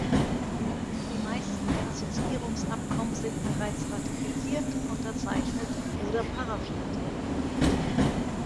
Die meisten der Assoziierungsabkommen sind bereits ratifiziert, unterzeichnet oder paraphiert.